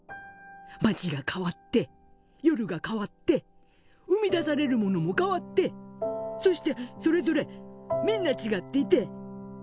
街が変わって夜が変わって生み出されるものも変わってそしてそれぞれみんな違っていて。